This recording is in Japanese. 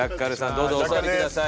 どうぞお座り下さい。